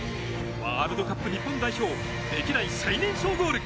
ワールドカップ日本代表歴代最年少ゴール。